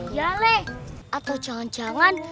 iya le atau jangan jangan